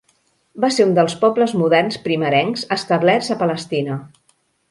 Va ser un dels pobles moderns primerencs establerts a Palestina.